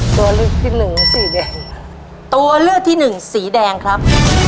ตัวเลือกที่หนึ่งสีแดงตัวเลือกที่หนึ่งสีแดงครับ